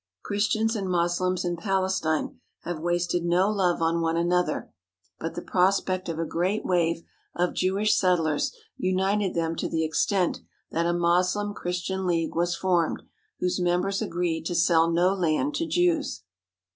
Chris tians and Moslems in Palestine have wasted no love on 199 THE HOLY LAND AND SYRIA one another, but the prospect of a great wave of Jewish settlers united them to the extent that a Moslem Chris tian league was formed, whose members agreed to sell no land to Jews.